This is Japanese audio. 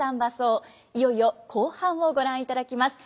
いよいよ後半をご覧いただきます。